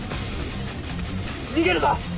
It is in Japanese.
逃げるぞ！